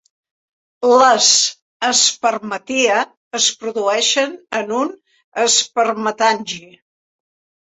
Les espermatia es produeixen en un espermatangi.